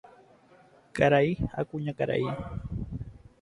Karai ha kuñakarai.